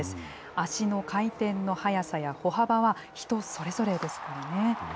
足の回転の速さや歩幅は人それぞれですからね。